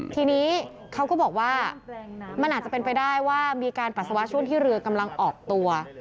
ทีนี้เขาก็บอกว่ามันอาจจะเป็นไปได้ว่ามีการปัสสาวะช่วงที่เรือกำลังออกตัว